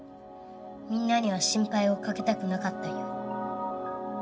みんなには心配をかけたくなかったゆえ。